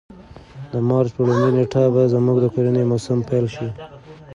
د مارچ په لومړۍ نېټه به زموږ د کرنې موسم پیل شي.